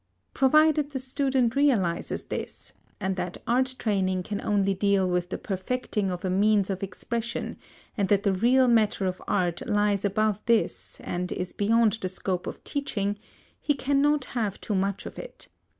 Provided the student realises this, and that art training can only deal with the perfecting of a means of expression and that the real matter of art lies above this and is beyond the scope of teaching, he cannot have too much of it.